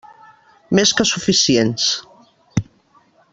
Més que suficients.